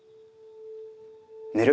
寝る！